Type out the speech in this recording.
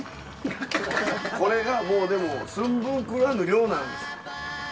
これがでも寸分狂わぬ量なんです。